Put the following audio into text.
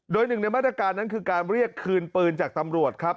โดยหนึ่งในมาตรการนั้นคือการเรียกคืนปืนจากตำรวจครับ